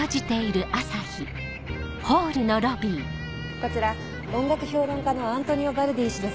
こちら音楽評論家のアントニオ・バルディ氏です。